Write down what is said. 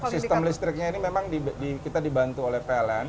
sistem listriknya ini memang kita dibantu oleh pln